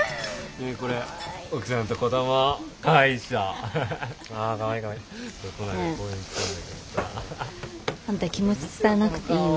ねえあんた気持ち伝えなくていいの？